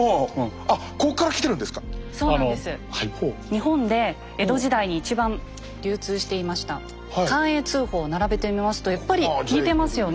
日本で江戸時代に一番流通していました寛永通宝を並べてみますとやっぱり似てますよね。